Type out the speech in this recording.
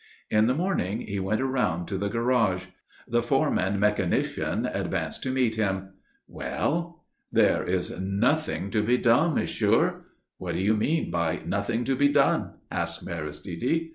In the morning he went round to the garage. The foreman mechanician advanced to meet him. "Well?" "There is nothing to be done, monsieur." "What do you mean by 'nothing to be done'?" asked Aristide.